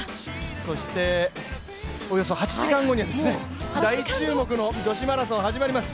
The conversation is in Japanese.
そしておよそ８時間後には大注目の女子マラソン始まります。